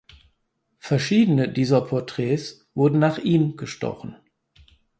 Verschiedene dieser Porträts wurden nach ihm gestochen.